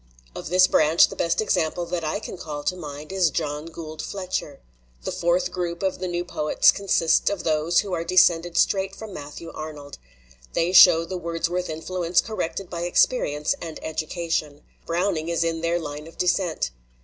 Of this branch the best example that I can call to mind is John Gould Fletcher. The fourth group of the new poets consists of those who are descended straight from Matthew Arnold. They show the Wordsworth influence corrected by experience and education. Browning is in their line of descent.